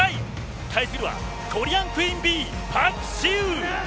対するはコリアンクインビーパク・シウ。